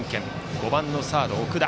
５番のサード、奥田。